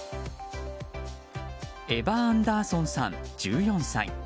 エヴァ・アンダーソンさん１４歳。